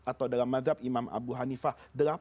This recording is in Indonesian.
atau dalam madhab imam abu hanifah